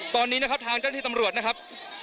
ตอนนี้นะครับทางเจ้าหน้าที่ตำรวจนะครับ